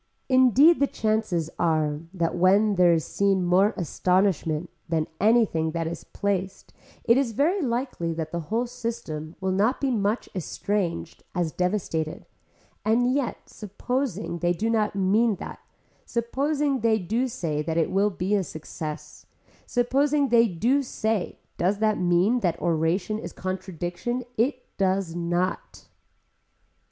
Indeed the chances are that when there is seen more astonishment than anything that is placed it is very likely that the whole system will be not so much estranged as devastated and yet supposing they do not mean that, supposing they do say that it will be a success, supposing they do say does that mean that oration is contradiction, it does not.